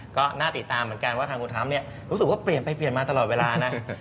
ก็หน้าติดตามเหมือนกันทางคุณไทรปน์รู้สึกเปลี่ยนไปมาตลอดเวลา